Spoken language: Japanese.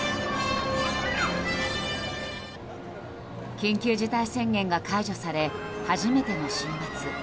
緊急事態宣言が解除され初めての週末。